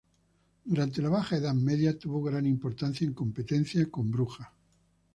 Durante la Baja Edad Media tuvo gran importancia, en competencia con Brujas.